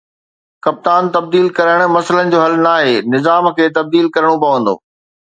ڪپتان تبديل ڪرڻ مسئلن جو حل ناهي، نظام کي تبديل ڪرڻو پوندو